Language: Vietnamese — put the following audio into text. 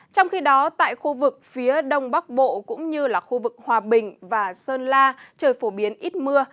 trong khi đó tại khu vực phía đông bắc bộ cũng như là khu vực hòa bình và sơn la trời phổ biến ít mưa